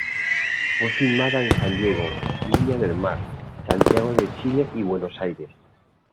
Fue filmada en San Diego, Viña del Mar, Santiago de Chile y Buenos Aires.